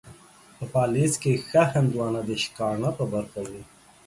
په پاليزه کې ښه هندوانه ، د شکاڼه په برخه وي.